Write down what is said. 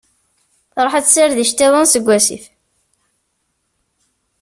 Tṛuḥ ad d-tessired iceṭṭiḍen seg wasif.